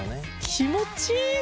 気持ちいい！